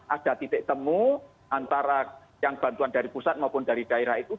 ada titik temu antara yang bantuan dari pusat maupun dari daerah itu